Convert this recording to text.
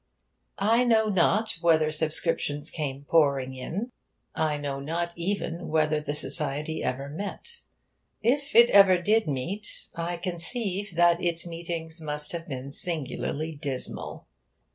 I know not whether subscriptions came pouring in. I know not even whether the society ever met. If it ever did meet, I conceive that its meetings must have been singularly dismal.